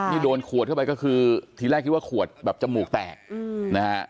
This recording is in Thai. โดนขวดเข้าไปก็คือทีแรกคิดว่าขวดแบบจมูกแตกนะฮะ